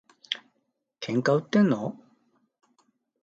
喧嘩売ってんの？